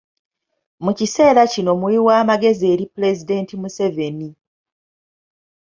Mu kiseera kino muwi wa magezi eri Pulezidenti Museveni